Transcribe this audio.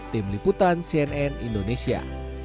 tim liputan cnn indonesia